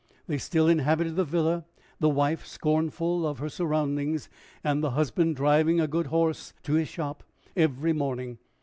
They still inhabited the villa, the wife scornful of her surroundings, and the husband driving a good horse to his shop every morning.